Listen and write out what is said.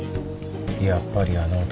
やっぱりあの男。